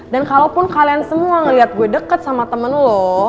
dan kalaupun kalian semua ngeliat gue deket sama temen lo